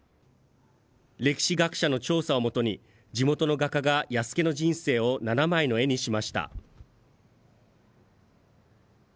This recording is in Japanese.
歴史学者の調査を基に、地元の画家が弥助の人生を７枚の絵にしました。